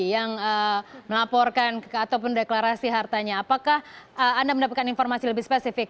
yang melaporkan ataupun deklarasi hartanya apakah anda mendapatkan informasi lebih spesifik